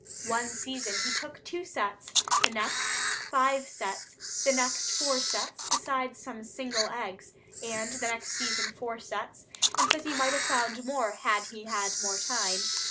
One season he took two sets, the next five sets, the next four sets, besides some single eggs, and the next season four sets, and says he might have found more had he had more time.